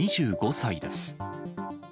２５歳です。